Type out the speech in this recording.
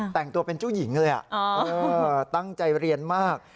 แต่งตัวเป็นเจ้าหญิงเลยตั้งใจเรียนมาก